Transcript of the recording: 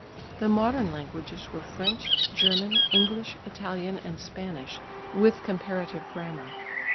The modern languages were French, German, English, Italian and Spanish, with comparative grammar.